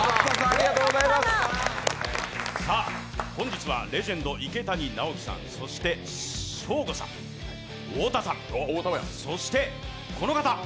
本日はレジェンド・池谷直樹さん、そしてショーゴさん、太田さん、そしてこの方。